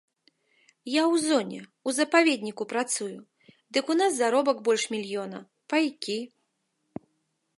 Я ў зоне, у запаведніку працую, дык у нас заробак больш мільёна, пайкі.